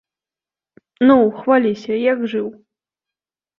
Ну, хваліся, як жыў?